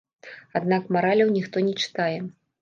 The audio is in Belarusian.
Аднак мараляў ніхто не чытае.